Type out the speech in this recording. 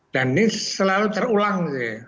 dan ini selalu terulang